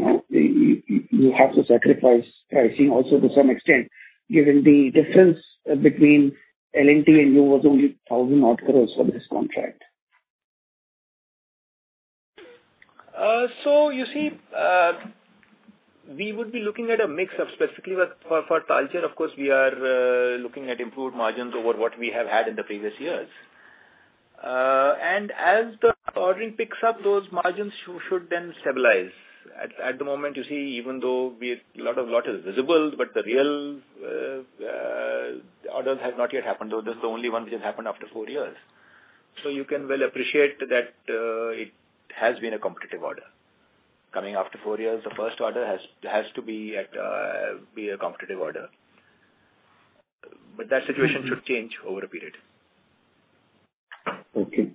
know, you have to sacrifice pricing also to some extent, given the difference between L&T and you was only 1,000-odd crores for this contract. You see, we would be looking at a mix of specifically with for Talcher, of course, we are looking at improved margins over what we have had in the previous years. As the ordering picks up, those margins should then stabilize. At the moment, you see, even though a lot is visible, but the real orders have not yet happened. Though that's the only one which has happened after four years. You can well appreciate that, it has been a competitive order. Coming after four years, the first order has to be a competitive order. That situation should change over a period. Okay.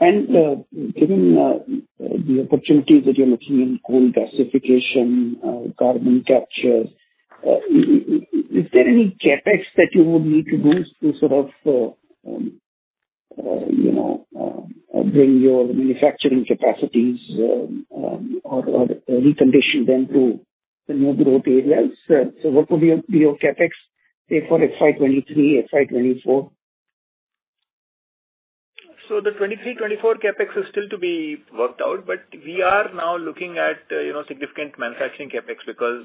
Given the opportunities that you're looking in coal gasification, carbon capture, is there any CapEx that you would need to do to sort of, you know, bring your manufacturing capacities, or recondition them to the new growth areas? What would be your CapEx, say, for FY 2023, FY 2024? The 2023/2024 CapEx is still to be worked out, but we are now looking at, you know, significant manufacturing CapEx because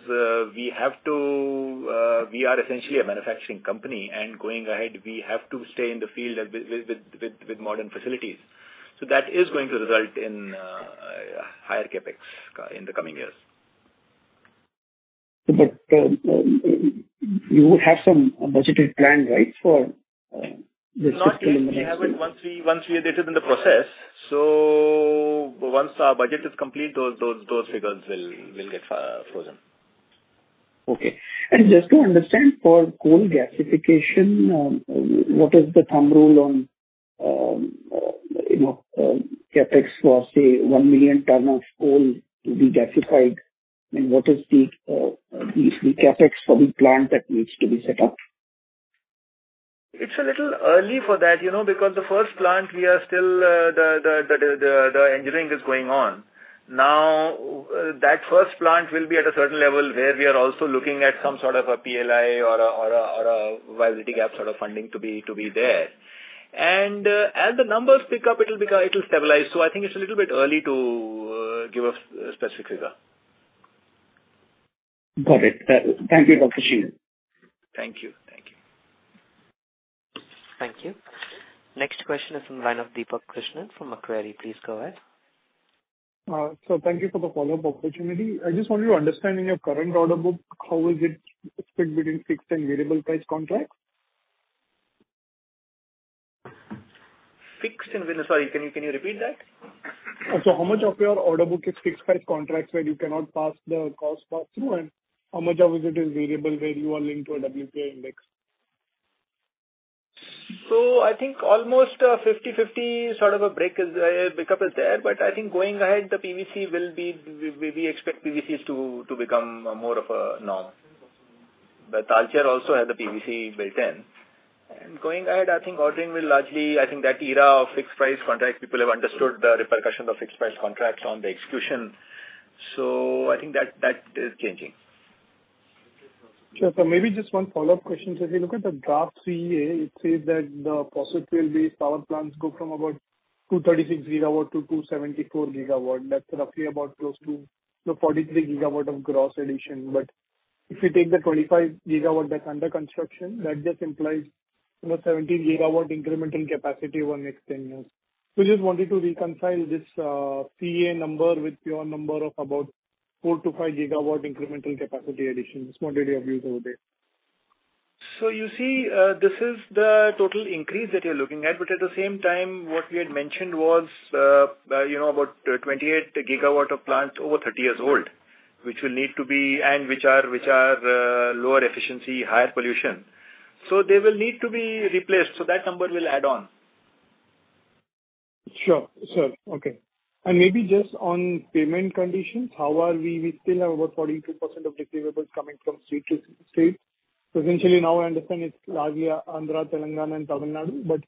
we have to, we are essentially a manufacturing company, and going ahead, we have to stay in the field with modern facilities. That is going to result in higher CapEx in the coming years. You have some budgeted plan, right? For this. Not yet. We haven't. This is in the process. Once our budget is complete, those figures will get frozen. Okay. Just to understand for coal gasification, what is the thumb rule on, you know, CapEx for, say, 1 million ton of coal to be gasified, and what is the CapEx for the plant that needs to be set up? It's a little early for that, you know, because the first plant we are still the engineering is going on. Now, that first plant will be at a certain level where we are also looking at some sort of a PLI or a viability gap sort of funding to be there. As the numbers pick up, it'll become. It'll stabilize. I think it's a little bit early to give a specific figure. Got it. Thank you, Dr. Nalin Singhal. Thank you. Thank you. Thank you. Next question is from the line of Deepak Krishnan from Macquarie. Please go ahead. Thank you for the follow-up opportunity. I just want to understand in your current order book, how is it split between fixed and variable price contracts? Fixed and variable. Sorry, can you repeat that? How much of your order book is fixed-price contracts where you cannot pass the cost through, and how much of it is variable where you are linked to a WPI index? I think almost 50/50 sort of a breakup is there. I think going ahead, the PVC will be, we expect PVCs to become more of a norm. Talcher also has a PVC built in. Going ahead, I think ordering will largely, I think that era of fixed price contracts, people have understood the repercussions of fixed price contracts on the execution. I think that is changing. Sure. Maybe just one follow-up question. If you look at the draft CEA, it says that the total power plants go from about 236 GW to 274 GW. That's roughly about close to the 43 GW of gross addition. But if you take the 25 GW that's under construction, that just implies about 17 GW incremental capacity over next 10 years. Just wanted to reconcile this, CEA number with your number of about 4-5 GW incremental capacity addition. Just wanted your views over there. You see, this is the total increase that you're looking at. At the same time, what we had mentioned was, you know, about 28 GW of plants over 30 years old, which are lower efficiency, higher pollution. They will need to be replaced, so that number will add on. Sure, sir. Okay. Maybe just on payment conditions, how are we? We still have about 42% of receivables coming from state to state. Essentially now I understand it's largely Andhra, Telangana and Tamil Nadu.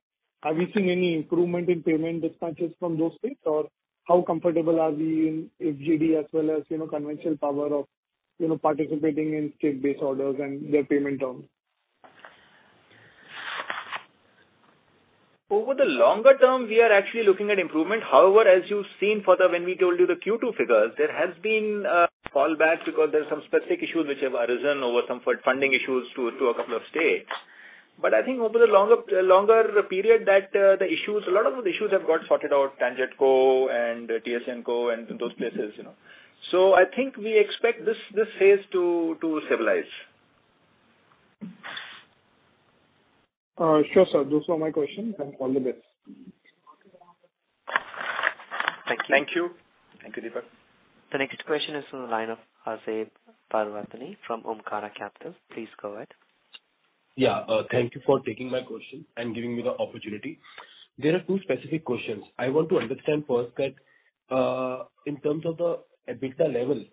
Have you seen any improvement in payment dispatches from those states? Or how comfortable are we in FGD as well as, you know, conventional power or, you know, participating in state-based orders and their payment terms? Over the longer term, we are actually looking at improvement. However, as you've seen further when we told you the Q2 figures, there has been a fallback because there are some specific issues which have arisen over some funding issues to a couple of states. I think over the longer period that the issues, a lot of the issues have got sorted out, TANGEDCO and TSGENCO and those places, you know. I think we expect this phase to stabilize. Sure, sir. Those were my questions, and all the best. Thank you. Thank you. Thank you, Deepak. The next question is from the line of Nilesh Parwani from Omkara Capital. Please go ahead. Yeah. Thank you for taking my question and giving me the opportunity. There are two specific questions. I want to understand first that, in terms of the EBITDA level,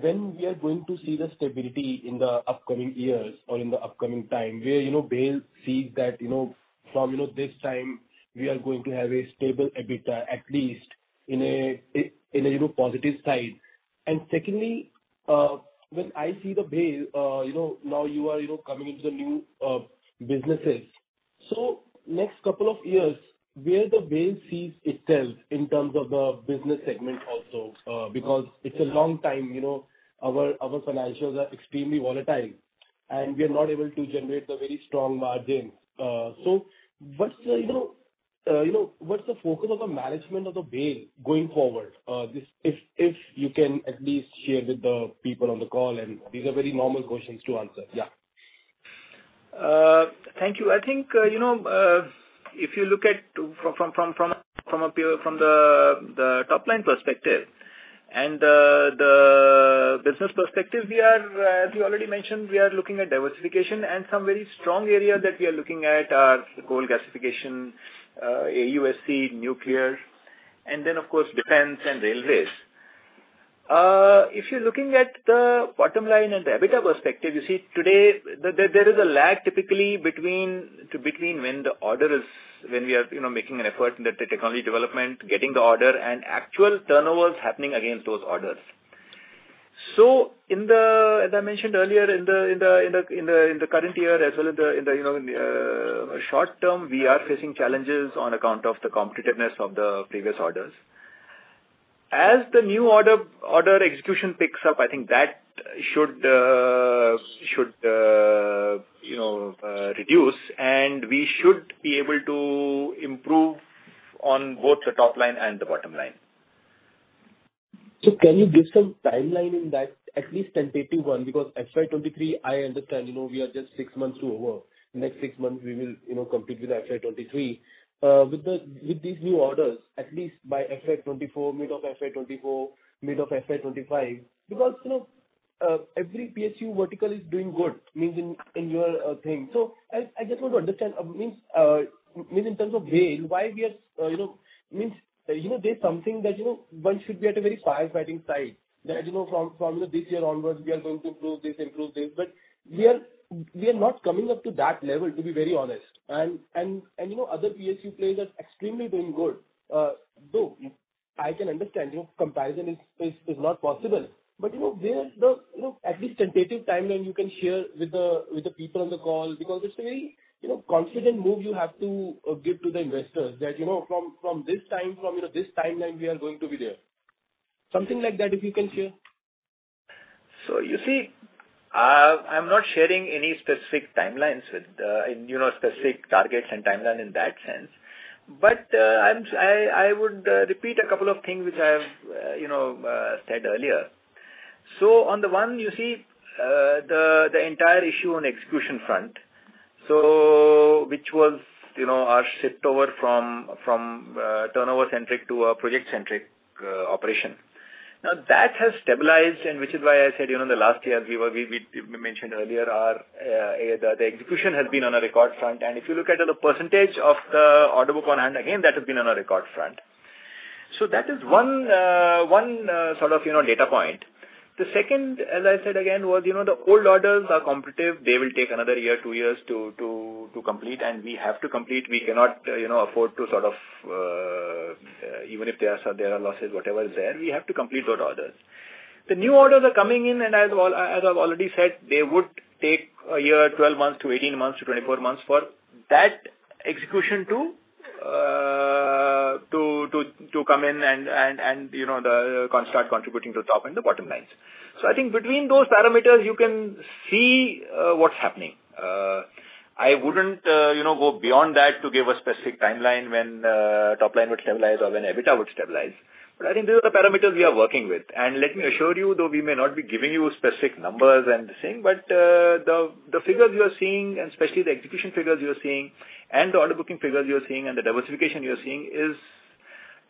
when we are going to see the stability in the upcoming years or in the upcoming time where, you know, BHEL sees that, you know, from, you know, this time we are going to have a stable EBITDA, at least in a, in a, you know, positive side. Secondly, when I see the BHEL, you know, now you are, you know, coming into the new, businesses. So next couple of years, where the BHEL sees itself in terms of the business segment also? Because it's a long time, you know, our financials are extremely volatile, and we are not able to generate the very strong margin. What's the, you know, what's the focus of the management of the BHEL going forward? If you can at least share with the people on the call, and these are very normal questions to answer. Yeah. Thank you. I think, you know, if you look at from the top line perspective and the business perspective, we are, as you already mentioned, we are looking at diversification and some very strong area that we are looking at are the coal gasification, AUSC, nuclear, and then of course defense and railways. If you're looking at the bottom line and the EBITDA perspective, you see today there is a lag typically between when the order is, when we are, you know, making an effort in the technology development, getting the order and actual turnovers happening against those orders. As I mentioned earlier, in the current year as well as the short term, we are facing challenges on account of the competitiveness of the previous orders. As the new order execution picks up, I think that should reduce, you know, and we should be able to improve on both the top line and the bottom line. Can you give some timeline in that, at least tentative one because FY 2023 I understand, you know, we are just six months to over. Next six months we will, you know, complete with FY 2023. With these new orders, at least by FY 2024, mid of FY 2024, mid of FY 2025. Because, you know, every PSU vertical is doing good, means in your thing. I just want to understand, I mean, means in terms of value, why we are, you know, there's something that, you know, one should be at a very firefighting side that, you know, from this year onwards we are going to improve this. But we are not coming up to that level, to be very honest. You know, other PSU players are extremely doing good. Though I can understand, you know, comparison is not possible. You know, where the, you know, at least tentative timeline you can share with the people on the call because it's a very, you know, confident move you have to give to the investors that, you know, from this time, from this timeline we are going to be there. Something like that, if you can share. You see, I'm not sharing any specific timelines with, you know, specific targets and timeline in that sense. I would repeat a couple of things which I have, you know, said earlier. On the one you see, the entire issue on execution front, which was, you know, our shift over from turnover centric to a project centric operation. Now, that has stabilized, and which is why I said, you know, in the last year we mentioned earlier our execution has been on a record front. If you look at the percentage of the order book on hand, again, that has been on a record front. That is one sort of, you know, data point. The second, as I said again, was, you know, the old orders are competitive. They will take another year, two years to complete, and we have to complete. We cannot, you know, afford to sort of even if there are losses, whatever is there, we have to complete those orders. The new orders are coming in, and as I've already said, they would take a year, 12 months to 18 months to 24 months for that execution to come in and, you know, start contributing to the top and the bottom lines. I think between those parameters you can see what's happening. I wouldn't, you know, go beyond that to give a specific timeline when top line would stabilize or when EBITDA would stabilize. I think those are the parameters we are working with. Let me assure you, though we may not be giving you specific numbers and this thing, but the figures you are seeing, and especially the execution figures you are seeing and the order booking figures you are seeing and the diversification you are seeing is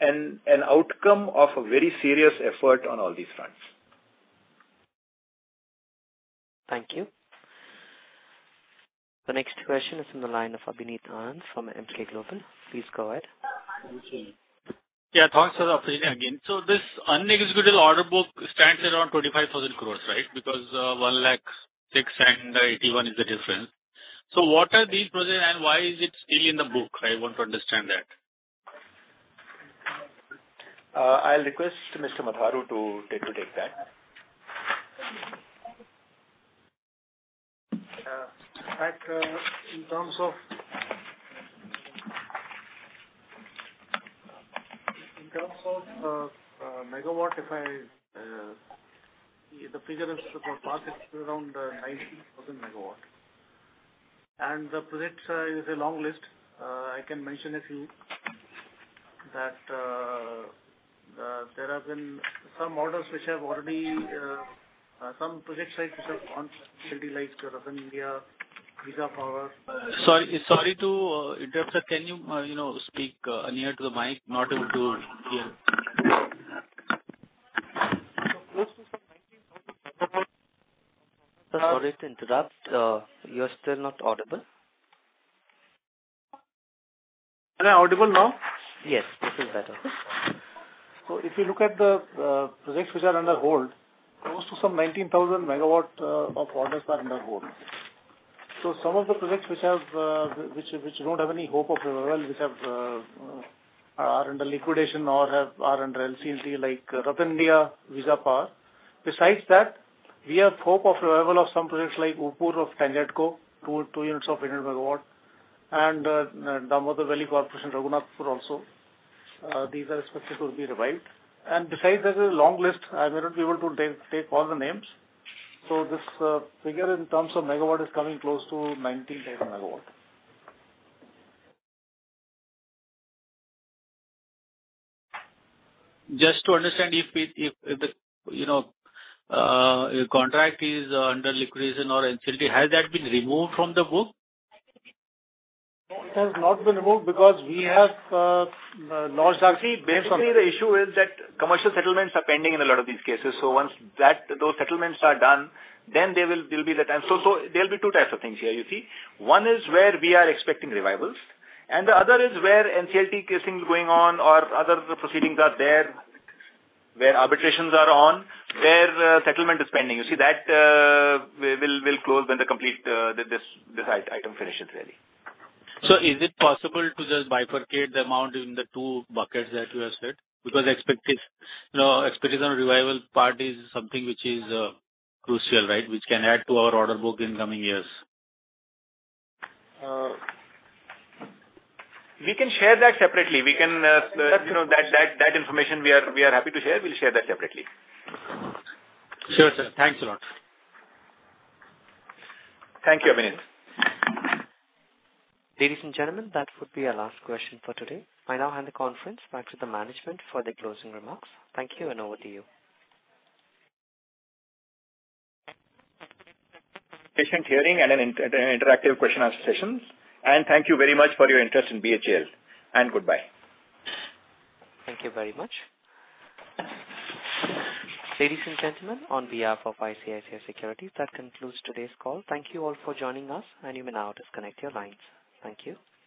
an outcome of a very serious effort on all these fronts. Thank you. The next question is from the line of Abhineet Anand from Emkay Global. Please go ahead. Thank you. Yeah, thanks for the opportunity again. This unexecutable order book stands around 25,000 crore, right? Because 1 lakh 6 and 81 is the difference. What are these projects and why is it still in the book? I want to understand that. I'll request Mr. Upinder Singh Matharu to take that. Yeah. In terms of megawatts, the figure is around 19,000 megawatts. The project is a long list. I can mention a few that there have been some orders which have already some project sites which have gone NCLT like RattanIndia Power, Visa Power Limited- Sorry to interrupt, sir. Can you know, speak near to the mic? Not able to hear. Close to some 19,000 megawatts. Sir, sorry to interrupt. You're still not audible. Am I audible now? Yes. This is better. If you look at the projects which are under hold, close to some 19,000 megawatts of orders are under hold. Some of the projects which don't have any hope of revival, which are under liquidation or are under NCLT like RattanIndia Power, Visa Power Limited. Besides that, we have hope of revival of some projects like Uppur of TANGEDCO, two units of 1,000 megawatts and Damodar Valley Corporation, Raghunathpur also. These are expected to be revived. Besides, there's a long list. I may not be able to take all the names. This figure in terms of megawatts is coming close to 19,000 megawatts. Just to understand if the, you know, contract is under liquidation or NCLT, has that been removed from the book? No, it has not been removed because we have launched. See, basically the issue is that commercial settlements are pending in a lot of these cases. Once those settlements are done, then there'll be the time. There'll be two types of things here, you see. One is where we are expecting revivals and the other is where NCLT cases are going on or other proceedings are there, where arbitrations are on, where settlement is pending. You see, we'll close when this item finishes really. Is it possible to just bifurcate the amount in the two buckets that you have said? Because expected, you know, expectation revival part is something which is crucial, right, which can add to our order book in coming years. We can share that separately. We can, you know, that information we are happy to share. We'll share that separately. Sure, sir. Thanks a lot. Thank you, Abhineet. Ladies and gentlemen, that would be our last question for today. I now hand the conference back to the management for their closing remarks. Thank you and over to you. Patient hearing and an interactive question and answer session. Thank you very much for your interest in BHEL and goodbye. Thank you very much. Ladies and gentlemen, on behalf of ICICI Securities, that concludes today's call. Thank you all for joining us, and you may now disconnect your lines. Thank you.